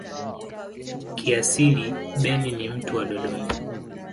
Kiasili Ben ni mtu wa Dodoma.